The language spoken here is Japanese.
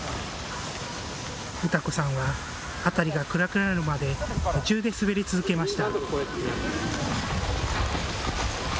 詩子さんは辺りが暗くなるまで夢中で滑り続けました。